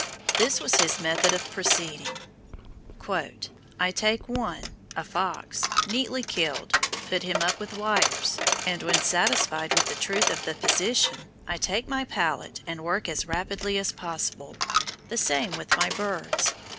This was his method of proceeding: "I take one [a fox] neatly killed, put him up with wires, and when satisfied with the truth of the position, I take my palette and work as rapidly as possible; the same with my birds.